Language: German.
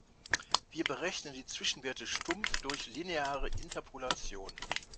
Wir berechnen die Zwischenwerte stumpf durch lineare Interpolation.